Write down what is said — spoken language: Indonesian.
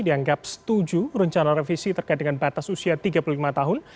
dianggap setuju rencana revisi terkait dengan batas usia tiga puluh lima tahun